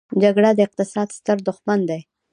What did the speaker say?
جګړه د اقتصاد ستر دښمن دی.